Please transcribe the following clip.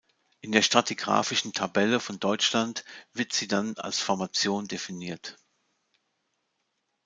In der Stratigraphische Tabelle von Deutschland wird sie dann als Formation definiert.